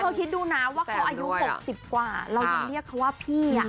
คิดดูนะว่าเขาอายุ๖๐กว่าเรายังเรียกเขาว่าพี่